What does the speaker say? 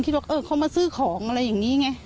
บอกเออเขามาซื้อของอะไรอย่างนี้ไง